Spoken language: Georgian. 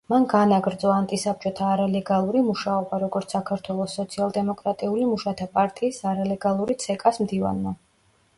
მან განაგრძო ანტისაბჭოთა არალეგალური მუშაობა, როგორც საქართველოს სოციალ-დემოკრატიული მუშათა პარტიის არალეგალური ცეკას მდივანმა.